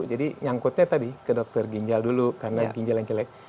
jadi nyangkutnya tadi ke dokter ginjal dulu karena ginjal yang jelek